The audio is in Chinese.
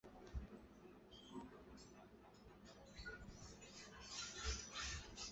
原高雄驿同时改称高雄港以为区别。